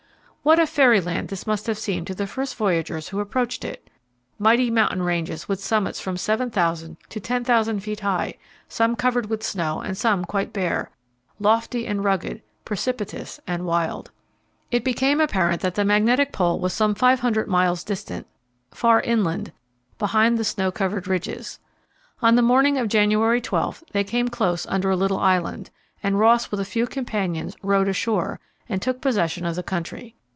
What a fairyland this must have seemed to the first voyagers who approached it! Mighty mountain ranges with summits from 7,000 to 10,000 feet high, some covered with snow and some quite bare lofty and rugged, precipitous and wild. It became apparent that the Magnetic Pole was some 500 miles distant far inland, behind the snow covered ridges. On the morning of January 12 they came close under a little island, and Ross with a few companions rowed ashore and took possession of the country.